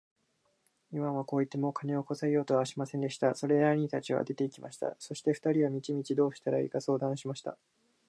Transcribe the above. イワンはこう言って、もう金をこさえようとはしませんでした。それで兄たちは出て行きました。そして二人は道々どうしたらいいか相談しました。